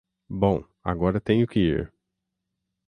Bom, agora tenho que ir.